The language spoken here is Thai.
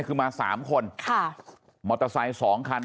ขึ้นมา๓คนค่ะมอเตอร์ไซส์๒คัน